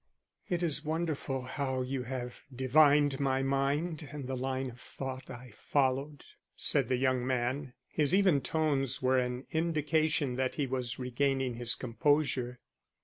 "It is wonderful how you have divined my mind and the line of thought I followed," said the young man. His even tones were an indication that he was regaining his composure.